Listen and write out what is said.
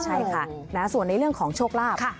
ใช่ค่ะแล้วส่วนในเรื่องของโชคลาภค่ะ